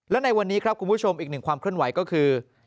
และในวันนี้ครับคุณผู้ชมอีกหนึ่งความเคลื่อนไหวก็คือ